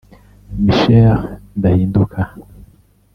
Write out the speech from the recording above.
Michel Ndahinduka